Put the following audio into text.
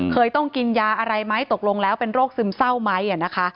เคยต้องกินยาอะไรไหมตกลงแล้วเป็นโรคซึมเศร้าไหมนะคะ